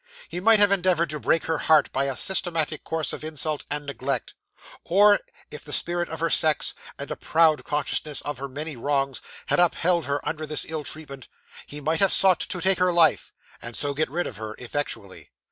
He might have endeavoured to break her heart by a systematic course of insult and neglect; or, if the spirit of her sex, and a proud consciousness of her many wrongs had upheld her under this ill treatment, he might have sought to take her life, and so get rid of her effectually.